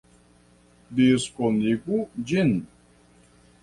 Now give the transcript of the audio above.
Diskonigu ĝin!